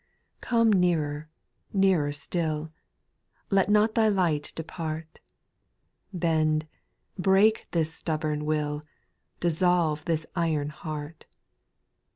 PjOME nearer, nearer still, \J Let not Thy light depart ; Bend, break this stubborn will. Dissolve this iron heart.